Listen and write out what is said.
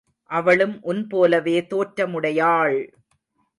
அவளும் உன் போலவே தோற்றமுடையாள்!